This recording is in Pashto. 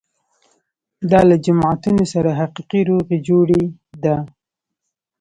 دا له جماعتونو سره حقیقي روغې جوړې ده.